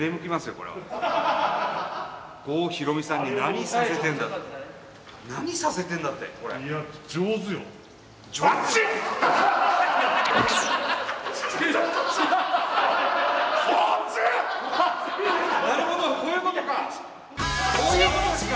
こういうことですか。